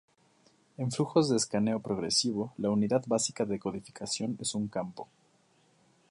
En flujos de escaneo progresivo, la unidad básica de codificación es un campo.